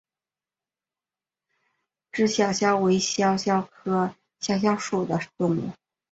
脂肖峭为肖峭科肖峭属的动物。